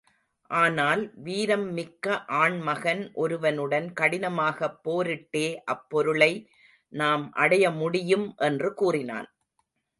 ஆனால் வீரம் மிக்க ஆண் மகன் ஒருவனுடன் கடினமாகப் போரிட்டே அப் பொருளை நாம் அடைமுடியும் என்று கூறினான்.